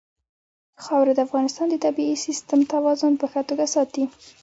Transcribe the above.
خاوره د افغانستان د طبعي سیسټم توازن په ښه توګه ساتي.